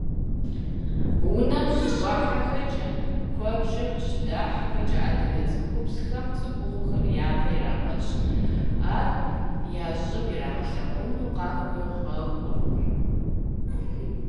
Унэм щыщӀыхьэкӀэ, куэбжэм щыдыхьэкӀэ адыгэ цӀыхубзхэм цӀыхухъур япэ ирагъэщ, ар я щӀыб ирагъэплъэну къахуегъэкӀуркъым.